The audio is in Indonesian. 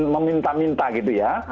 meminta minta gitu ya